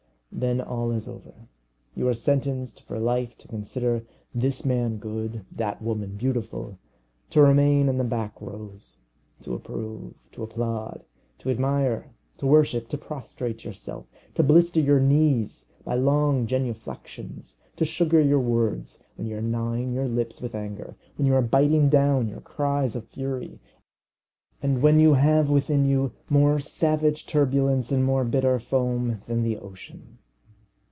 Then all is over. You are sentenced for life to consider this man good, that woman beautiful; to remain in the back rows; to approve, to applaud, to admire, to worship, to prostrate yourself, to blister your knees by long genuflections, to sugar your words when you are gnawing your lips with anger, when you are biting down your cries of fury, and when you have within you more savage turbulence and more bitter foam than the ocean!